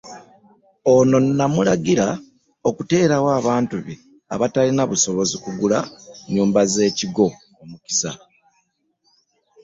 Ono n'amulagira okuteerawo abantu be abatalina busobozi kugula nnyumba z'e Kigo omukisa